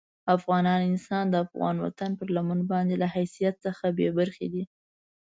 افغان انسان د افغان وطن پر لمن باندې له حیثیت څخه بې برخې دي.